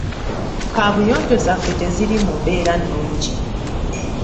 Kabuyonjo zaffe teziri mu mbeera nnungi.